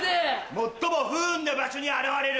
最も不運な場所に現れる。